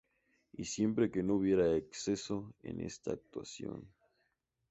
Y siempre que no hubiera exceso en esta actuación.